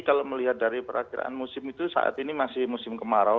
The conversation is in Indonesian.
kalau melihat dari perakhiran musim itu saat ini masih musim kemarau